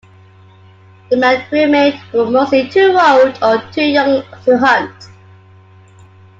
The men who remained were mostly too old or too young to hunt.